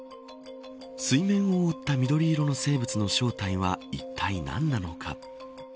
水面を覆った緑色の生物の正体はいったい何なのか。